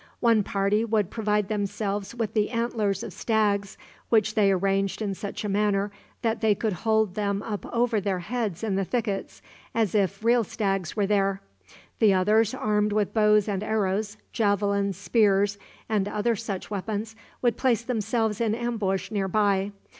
One party would provide themselves with the antlers of stags, which they arranged in such a manner that they could hold them up over their heads in the thickets, as if real stags were there. The others, armed with bows and arrows, javelins, spears, and other such weapons, would place themselves in ambush near by.